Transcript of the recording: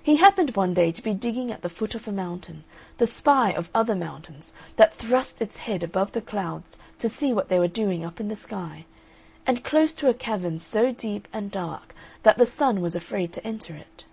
He happened, one day, to be digging at the foot of a mountain, the spy of other mountains, that thrust its head above the clouds to see what they were doing up in the sky, and close to a cavern so deep and dark that the sun was afraid to enter it.